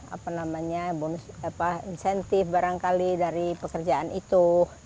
apa namanya bonus apa insentif barangkali dari pekerjaan itu